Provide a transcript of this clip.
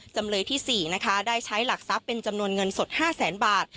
จำเลยที่๔นะคะได้ใช้หลักทรัพย์เป็นจำนวนเงินสด๕แสนบาท